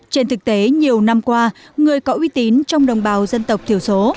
trên thực tế nhiều năm qua người có uy tín trong đồng bào dân tộc thiểu số